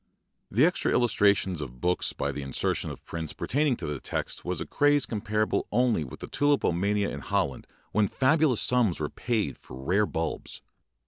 The extra illustration of books by the insertion of prints pertaining to the text was a craze comparable only with tulipomania in Holland when fabulous sums were spent for rare bulbs.